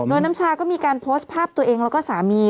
โดยน้ำชาก็มีการโพสต์ภาพตัวเองแล้วก็สามี